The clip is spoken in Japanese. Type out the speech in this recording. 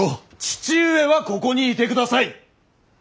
父上はここにいてください！